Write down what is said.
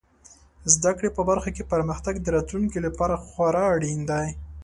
زده کړې په برخو کې پرمختګ د راتلونکي لپاره خورا اړین دی.